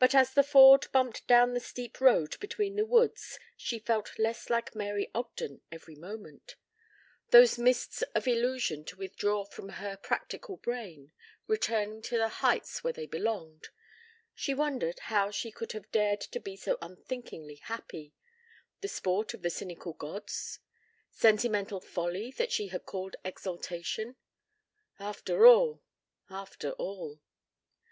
But as the Ford bumped down the steep road between the woods she felt less like Mary Ogden every moment ... those mists of illusion to withdraw from her practical brain ... returning to the heights where they belonged ... she wondered how she could have dared to be so unthinkingly happy ... the sport of the cynical gods? ... sentimental folly that she had called exaltation? After all! After all!